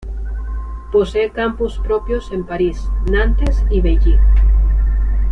Posee campus propios en París, Nantes y Beijing.